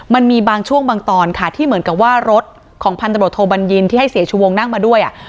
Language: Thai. มันมีบางช่วงบางตอนค่ะที่เหมือนกับว่ารถของพันธบทโทบัญญินที่ให้เสียชูวงนั่งมาด้วยอ่ะ